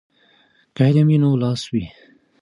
که علم وي نو لاس وي.